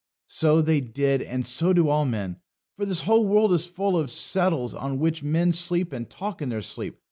So they did, and so do all men. For this whole world is full of settles on which men sleep and talk in their sleep.